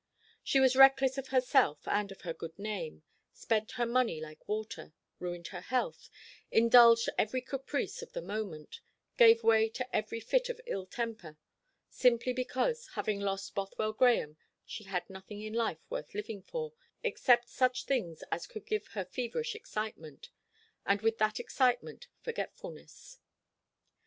She was reckless of herself and of her good name spent her money like water ruined her health indulged every caprice of the moment gave way to every fit of ill temper simply because, having lost Bothwell Grahame, she had nothing in life worth living for, except such things as could give her feverish excitement, and with that excitement forgetfulness.